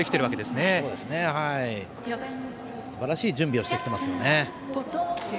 すばらしい準備をしてきていますね。